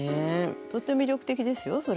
とっても魅力的ですよそれ。